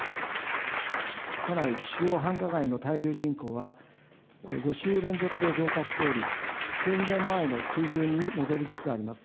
都内主要繁華街の滞留人口は、５週連続で増加しており、宣言前の水準に戻りつつあります。